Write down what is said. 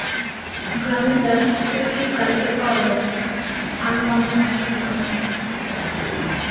গ্রামে ব্রাশ তৈরির কারিগর পাওয়া যাবে না, আরও নানা সমস্যা পোহাতে হবে।